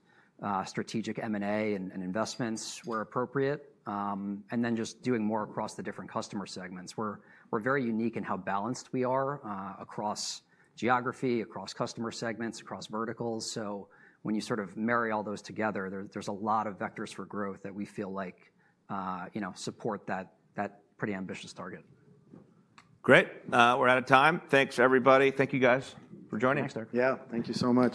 strategic M&A and investments where appropriate, and then just doing more across the different customer segments. We're very unique in how balanced we are across geography, across customer segments, across verticals. When you sort of marry all those together, there's a lot of vectors for growth that we feel like support that pretty ambitious target. Great. We're out of time. Thanks, everybody. Thank you guys for joining. Thanks, Derek. Yeah, thank you so much.